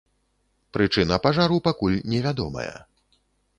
Прычына пажару пакуль невядомая.